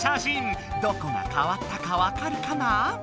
どこがかわったかわかるかな？